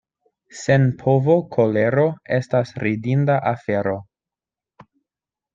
Sen povo kolero estas ridinda afero.